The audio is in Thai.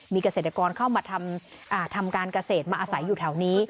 มีเกษตรกรเข้ามาทำการเกษตรมาอาศัยอยู่แถวนี้